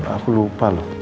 aku lupa loh